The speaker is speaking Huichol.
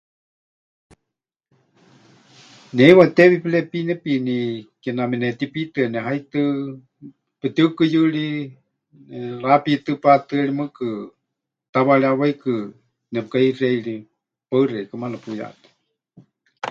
Ne heiwa tewi pɨrepi nepiini kename netipitɨani haitɨ, pɨtiukɨyɨ ri, rapiitɨ patɨa ri mɨɨkɨ, tawaarí hawaikɨ nepɨkaheixei ri, paɨ xeikɨ́a, maana puyeʼatɨya.